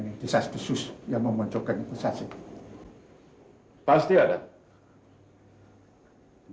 ini desas desus yang memoncokkan inkusasi pasti ada